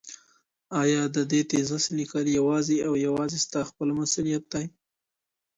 ایا د دې تیزس لیکل یوازي او یوازي ستا خپل مسولیت دی؟